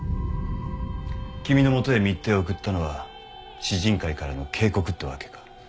君の元へ密偵を送ったのは獅靭会からの警告ってわけか。